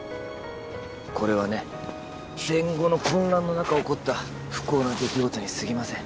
これはね戦後の混乱の中起こった不幸な出来事にすぎません